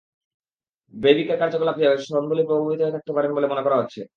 ব্রেইভিকের কার্যকলাপ দিয়ে সনবোলি প্রভাবিত হয়ে থাকতে পারেন বলে মনে করা হচ্ছে।